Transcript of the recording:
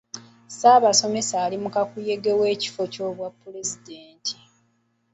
Ssaabasomesa ali mu kakuyege w'ekifo ky'obwa pulezidenti.